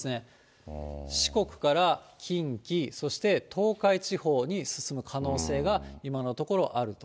四国から近畿、そして東海地方に進む可能性が今のところあると。